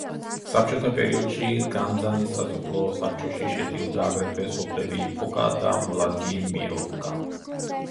საბჭოთა პერიოდში განძანის სასოფლო საბჭოში შედიოდა აგრეთვე სოფლები ფოკა და ვლადიმიროვკა.